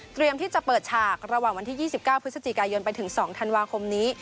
เตรียมที่จะเปิดฉากระหว่างวันที่ยี่สิบเก้าพฤศจิกายนไปถึงสองธันวาคมนี้